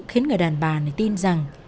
khiến người đàn bà này tin rằng